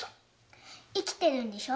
生きてるんでしょ？